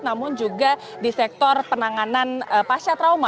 namun juga di sektor penanganan pasca trauma